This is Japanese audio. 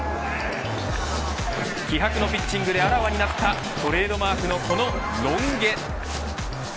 気迫のピッチングであらわになったトレードマークのこのロン毛。